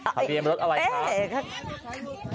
ขับเบียบรถเอาไว้ครับ